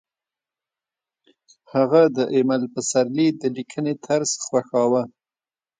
هغې د ایمل پسرلي د لیکنې طرز خوښاوه